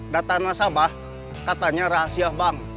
data nasabah katanya rahasia bank